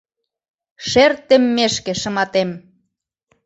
Шер теммешке шыматем.